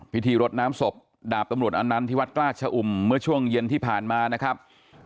พิธีรดน้ำศพดาบตำรวจอันนั้นที่วัดกล้าชะอุ่มเมื่อช่วงเย็นที่ผ่านมานะครับ